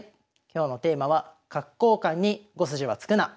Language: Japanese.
今日のテーマは「角交換に５筋は突くな」。